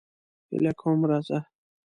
هیله کوم راځه.